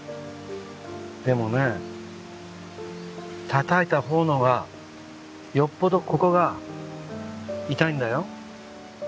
でもねたたいたほうのがよっぽどここが痛いんだよ。